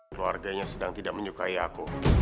keluarganya sedang tidak menyukai aku